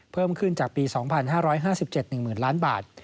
เพิ่มขึ้นจากปี๒๕๕๗หนึ่งหมื่นล้านบาท